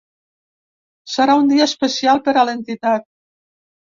Serà un dia especial per a l’entitat.